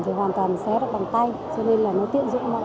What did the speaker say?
cho nên là nó tiện dụng mọi lúc mọi nơi